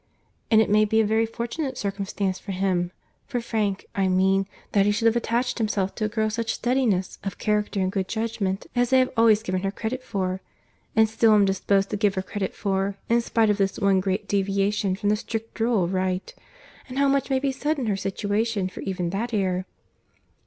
and it may be a very fortunate circumstance for him, for Frank, I mean, that he should have attached himself to a girl of such steadiness of character and good judgment as I have always given her credit for—and still am disposed to give her credit for, in spite of this one great deviation from the strict rule of right. And how much may be said in her situation for even that error!"